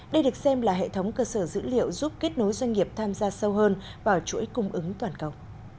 đây được xem là hệ thống cơ sở dữ liệu giúp kết nối doanh nghiệp tham gia sâu hơn vào chuỗi cung ứng toàn cầu